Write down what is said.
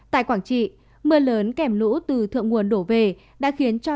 tại quảng trị mưa lớn kèm lũ từ thượng nguồn đổ về đã khiến cho